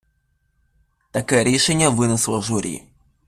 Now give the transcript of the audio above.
Таке рішення винесло журі.